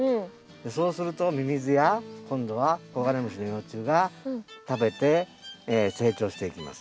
そうするとミミズや今度はコガネムシの幼虫が食べて成長していきます。